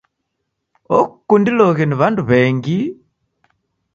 Okundiloghe ni w'andu w'engi.